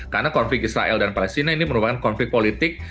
karena konflik israel dan palestina ini merupakan konflik politik